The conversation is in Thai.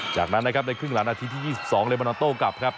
จากนั้นนะครับในครึ่งหลังนาทีที่๒๒เลมานอนโต้กลับครับ